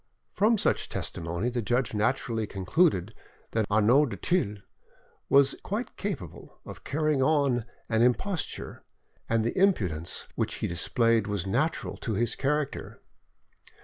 From such testimony the judge naturally concluded that Arnauld du Thill was quite capable of carrying on, an imposture, and that the impudence which he displayed was natural to his character.